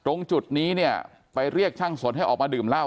ตรงจุดนี้เนี่ยไปเรียกช่างสนให้ออกมาดื่มเหล้า